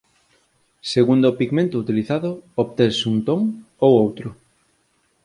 Segundo o pigmento utilizado obtense un ton ou outro